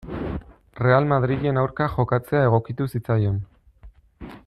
Real Madrilen aurka jokatzea egokitu zitzaion.